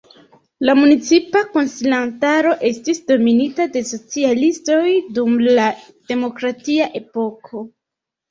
La municipa konsilantaro estis dominita de socialistoj dum la demokratia epoko.